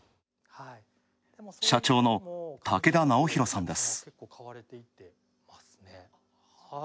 社長の竹田尚弘さんです。